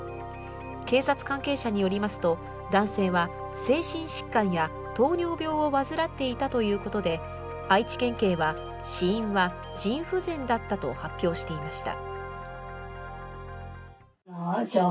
警察関係者によりますと、男性は精神疾患や糖尿病を患っていたということで愛知県警は、死因は腎不全だったと発表していました。